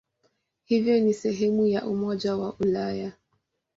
Hivyo ni sehemu ya Umoja wa Ulaya.